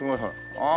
ああ！